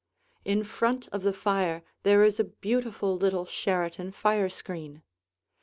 In front of the fire there is a beautiful little Sheraton fire screen.